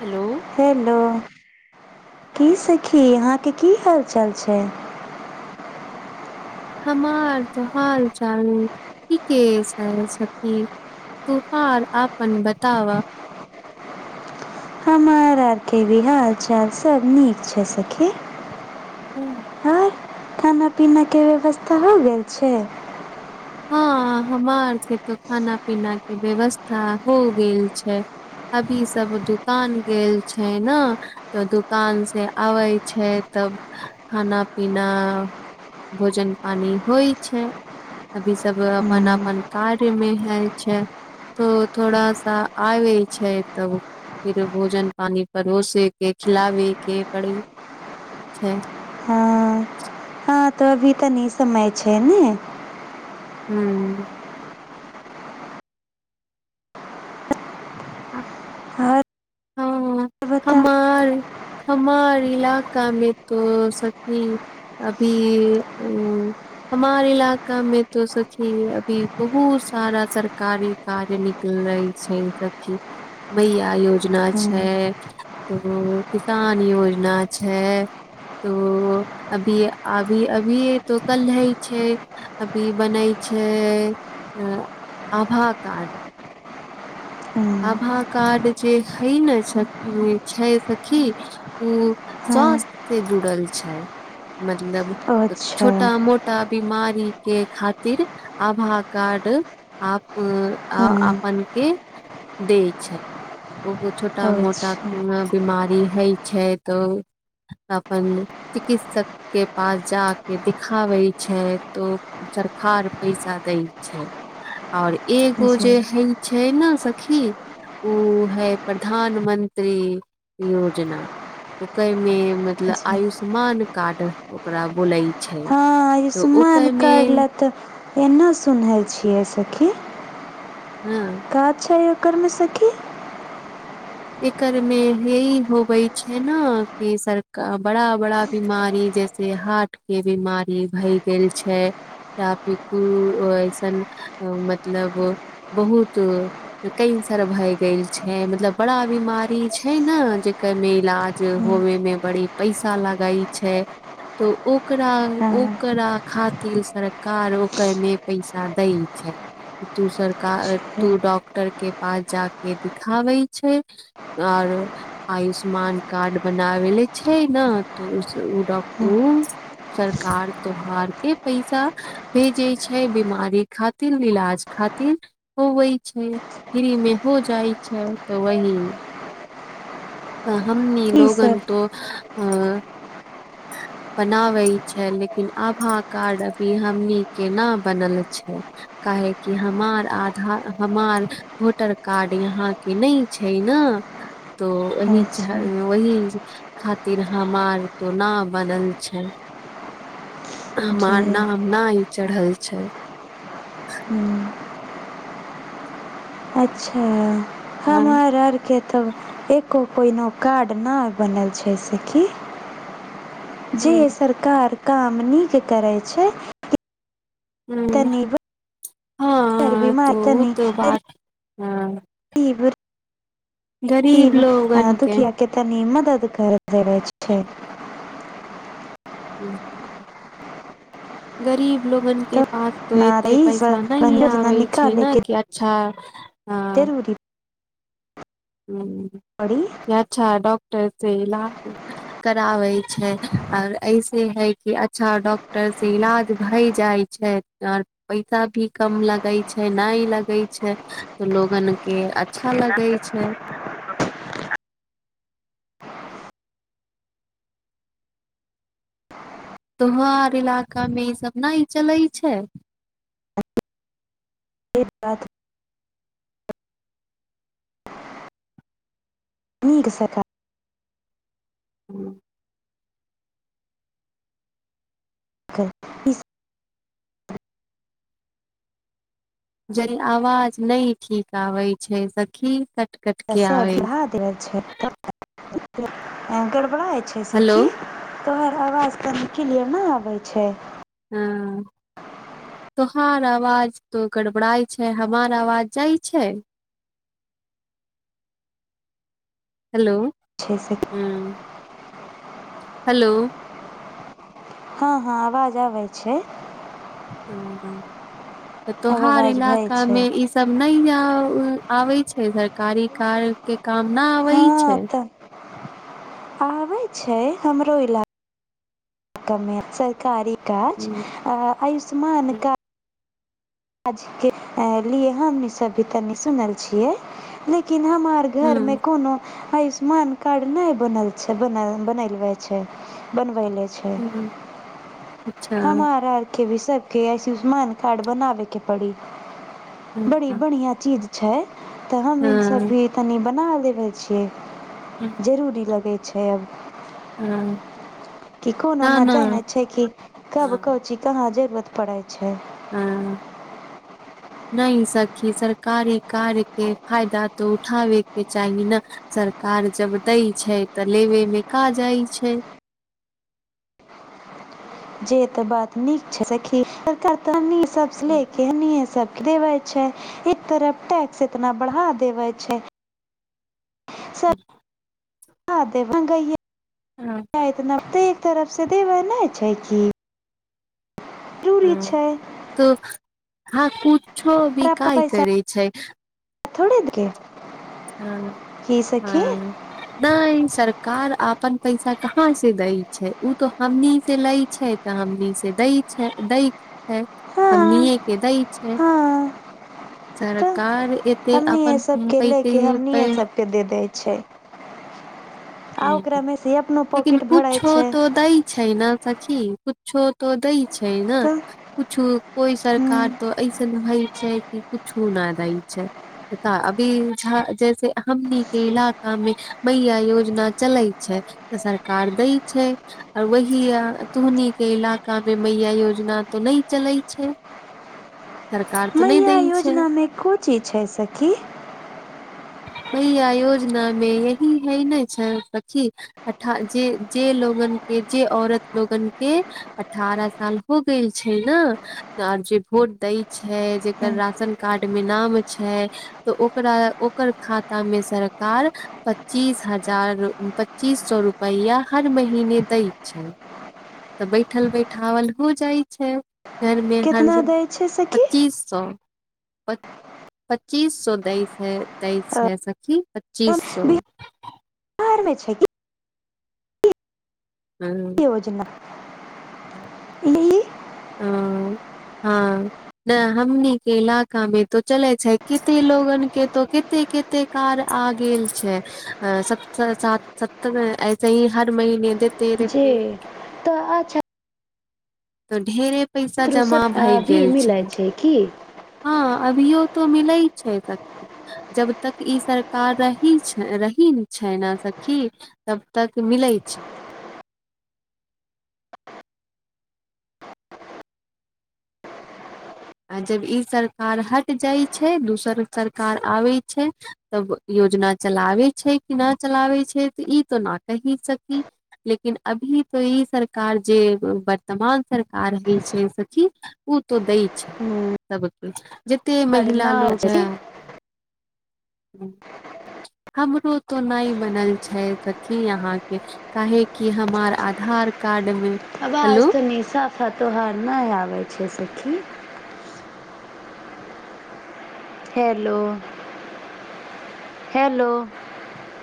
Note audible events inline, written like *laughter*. hello hello की सखी अहाँके की हालचाल छै हमार तऽ हाल चाल ठीके छै सखी तुहार आपन बतावा हमार आरके वि हाल चाल सब नीक छै सखी आर खाना पीनाके व्यवस्था हो गेल छै हँ हमार के त खाना पीना के व्यवस्था हो गेल छै अभी सब दुकान गेल छै न तऽ दुकान से अबै छै तब खाना पीना भोजन पानी होइ छै अभी सब अपन हम्म, अपन कार्य मे है छै तो थोड़ासा आइबै छै तब फिर भोजन पानि परोसे के खिलाबे के पड़ी छै तऽ अभी तनी समय छै ने ह्म आओर हँ बताउ हमार हमार इलाकामे तो सखी अभी हमार इलाका मे तो सखी अभी बहुत सारा सरकारी कार्य निकल रह छै ई सखी भैया योज योजना हम्म, छै तो किसान योजना छै तो अभी अभी अभी हे तो कले ही छै अभी बनई छै ए आभा कार्ड हम्म, आभा कार्ड जे हइ ने छै सखी उ हँ स्वास्थ्य से जुड़ल छै मतलब अच्छा छोटा मोटा बीमारी के खातिर आभा कार्ड आप आप हँ आपनके दै छै ओ गो छोटा मोटा अच्छा बिमारी हेइ छै तऽ अपन चिकित्सक के पास जााकेऽ देखिाबै छै तो सरकार पैसा दै छै ओर जी एगो जे जी हय छै ने खी उ हइ प्रधानमंत्री योजना ओकइ मे मतलब आयुष्मान कार्ड ओकरा बोलै छै हा तऽ आयुष्मन ओकरे कार्ड में ला त ऐन सुनइ छियइ सखी हँ का छै ओकरमे सखी एकर मे यहि होबै छै न कि सर बड़ा बड़ा बीमारी जैसे हार्ट के बीमारी भए गेल छै ती कु अऐसन मतलब बहुत कइ सारा भाय गेल छै मतलब बड़ा बीमारी छै ने जेकर मे इलाज होवे मे बड़ी पैसा लगई छै तऽ ओकरा हँ ओकरा खातिर सरकार ओकरमे पैसा दै छै तू सरकार अच्छा तू डॉक्टर के पास जााके दिखाबै आऔर आयुष्मान कार्ड बनावे ले छै ने तऽ उडकू सरकार त्योहार के पैसा भेजे छै बिमारी खातिर इलाज खातिर खातिर होवै छै फ्री मे हो जाइ छै तऽ वही अह हम नी लोगन ईसभ तों बनाबै छै लेकिन आभा कार्ड अभी हमनी केना बनल छै काहे कि हमार आधार हमार वोटर कार्ड यहाँ के नहि छै ने तऽ ओह होइ छै ओही खातिर हमार तो न बनल छै जे हमार नाम नई चढ़ल छै हम्म, अच्छा हम हूँ आर आरके तब एको पहिनो कार्ड नहि बनल छै सखी जे सरकार काम नीक करै छै ह तनी बड़ हँ त बीमार ओ तनी तऽ बात हँ लोगन के दुखिया केतनी मदद कर दे छै *unintelligible* गरीब लोगन के तऽ पास तो ना तऽ एते ई पैसा सब तनी नी योजना आबे छै ने कि अच्छा तर उरी पड़ी ई ह अच्छा डॉ डॉक्टर से इलाज कराबे छै और ऐसे है कि अच्छा डॉक्टर से इलाज भय जाय छै आऔर पैसा भी कम लगे छै नई लगे छै तऽ लोगन के अच्छा लगे छै तोहर इलाकामे ईसभ ने ई चलै छै बाद नीक सकार *unintelligible* इस जद आवाज नहि ठीक आबै छै सखी कट कट के आबै छै तसभहाादर झ गड़बड़ा इ छै हेलो सखी तोहर आवाज त नि किलियर नहि आबै छै हँ तोहार आवाज तो गड़बड़इ छै हमार आवाज जाइ छै हेलो छै सखी ह हेलो हँ हँ आवाज आबै छै ह ह त अब तोहार आवाज भय इलाका छै मे ई सब नहि आबैत छै सरकारी कार के काम न आबै हँ छै तऽ आबै छै हमरो इलाका मे सरकारी काज हूँ आयुष्मान कार्ड आज के लिए हमनी सबी तनी सुनल छियै लेकिन लेकिन हमर घर मे हूँ कोनो आयुष्मान कार्ड ने बनल छै बन बनलवे छै बनवे ले अच्छा हमारर के भी सके आयुष्मान कार्ड बनाबे के पड़ी हँ बड़ी हँ बढ़िया चीज छै तऽ हम ईस भी तनि बना लेबै छियै जरूरी लगैत छैब हँ कि कोनो ने जाने छै कि कब कौची कहा जरूरत पड़े छै हँ नहि सखी सरकारी कार्य के फायदा तो उठाबे के चाही ने सरकार कार जब दै छै तऽ लेबेमे का जाइ छै *inaudible* जे त बात नीक छै सखी सब ले के सब देवे छै एक तरफ टैक्स इतना बढ़ा देवे छै ह्म तऽ हँ एतना ते एक तरफसँ देबै नहि छै की ह त हँ कुछो पर भी अपन काय पैसा करै छै थोड़े एतक *inaudible* हँ हँ नहि सरकार आपन पैसा कहाँ से दै छै उ तो हमनी से लै छै तऽ हमनी से दै छै दै हाँ हमनीए के दैय छैय हाँ सरकार एते अपन पै कि पे हमनिए सबके दे दै छै आ ह ओकरामे से अपनो लेकिन पॉकेट भराइ कुछो छै तो दै छै ना सखी कुछो तो दै छै ने तऽ कुछु कोइ हम्म, सरकार तो ऐसन होय छै कि कुछो न दै छै क अभी झ जैसे हमनी के इलाका मे मै आयोज *inaudible* योजना चलै छै तऽ सरकार दै छै आर वह तुहनी के इलाका मे मैया योजना त नैय चलै छै सरकार तो नहि हमरा दै छै योजनामे को चीज छै सकी अहिय योजना मे यही है ने छै सखि अठ जे जे लोगन के जे औरत लोगन के अठ बारह साल हो गेल छै ने आर जे भोट दै छै हँ, जेकर राशन कार्ड मे छै ओकरा खाता मे सरकार पच्चीस ह हजार पच्चीस सौ रुपैआ हर महीने दै छै तऽ बैठल बैठओल हो जाइ छै घरमे हर केतना दै छै सखी पच्चीस सौ पच्चीस सो दइस है दइस अ, है सखी पच्चीस सो बर मे छै कि योजना ह्म *inaudible* इ *inaudible* ह *inaudible* हँ ने हमनि इलाका मे तो चले छै कते लोगन के तो कते ते कार आ गेल छै ऐसे ही हर महने *inaudible* जे तऽ अच्छा तऽ ढेरे पैसा छात्र जमा सब भए भी गेल छै मिलै की हँ अभियो तो मिलैय छै सख जब तक ई सरकार रही छै रहि छै ने सखी तब तक मिले *inaudible* आ जब ई सरकार हट जाइ छै दोसर सरकार आबै छै तब योजना चलाबै छै कि ना चलाबै छै त ई तो न कहि सकी लेकिन अभी तो ई सरकार जे वर्तमान सरकार हय छै सखी ओ तो दय हम्म, सभ किछ जतेक तोहर महिला लोकग नहि छै है हमरो तो नै बनल छै की यहाँ के काहे कि हामार आधार कार्ड मे आबज हेलो कनि साफ -साफ तोहार नै आबैत छै सखी हेलो हेलो